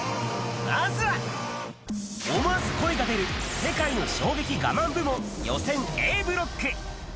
まずは、思わず声が出る世界の衝撃我慢部門、予選Ａブロック。